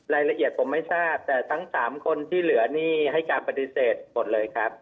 รายละเอียดผมไม่ทราบแต่ทั้ง๓คนที่เหลือนี่ให้การปฏิเสธหมดเลยครับ